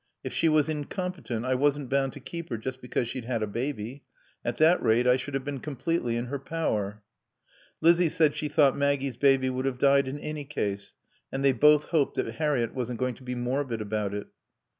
If she was incompetent I wasn't bound to keep her just because she'd had a baby. At that rate I should have been completely in her power." Lizzie said she thought Maggie's baby would have died in any case, and they both hoped that Harriett wasn't going to be morbid about it.